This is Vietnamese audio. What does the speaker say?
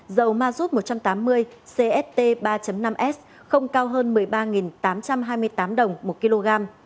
dầu mazut một trăm tám mươi cst ba năm s không cao hơn một mươi ba tám trăm hai mươi tám đồng một kg